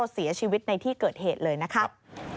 เสียชีวิตในที่เกิดเหตุเลยนะครับ